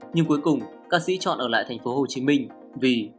nhưng cuối cùng ca sĩ chọn ở lại thành phố hồ chí minh vì